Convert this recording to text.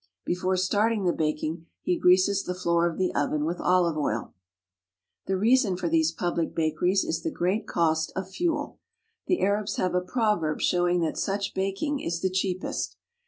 Before starting the baking he greases the floor of the oven with olive oil. The reason for these public bakeries is the great cost of fuel. The Arabs have a proverb showing that such baking is the cheapest.